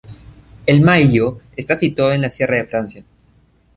El Maíllo está situado en la Sierra de Francia.